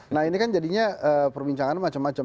nah ini kan jadinya perbincangan macam macam